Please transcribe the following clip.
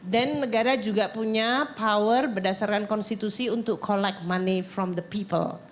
dan negara juga punya power berdasarkan konstitusi untuk collect money from the people